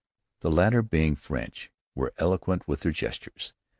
The latter, being French, were eloquent with their gestures.